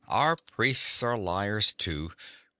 "Our priests are liars too.